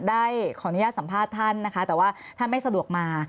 ได้ขออนุญาตสัมภาษณ์ท่านนะคะแต่ว่าท่านไม่สะดวกมา